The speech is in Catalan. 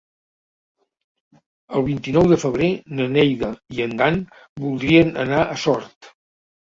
El vint-i-nou de febrer na Neida i en Dan voldrien anar a Sort.